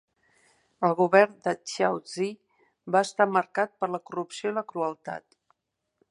El govern de Xiao Zi va estar marcat per la corrupció i la crueltat.